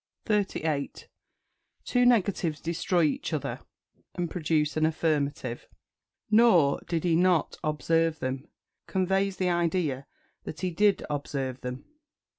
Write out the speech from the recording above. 38. Two negatives destroy each other, and produce an affirmative. "Nor did he not observe them," conveys the idea that he did observe them.